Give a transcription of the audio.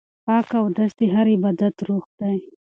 پاک اودس د هر عبادت روح دی.